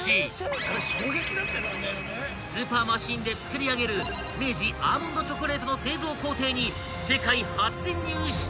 ［スーパーマシンで作り上げる明治アーモンドチョコレートの］